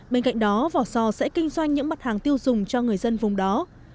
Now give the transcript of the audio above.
bên cạnh đó vò sò sẽ kinh doanh những mặt hàng tiêu dùng cho người dân vùng đó